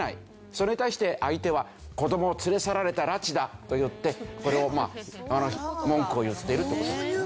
それに対して相手は「子どもを連れ去られた」「拉致だ」と言ってこれを文句を言ってるって事ですね。